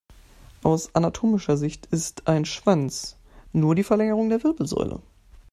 Aus anatomischer Sicht ist ein Schwanz nur die Verlängerung der Wirbelsäule.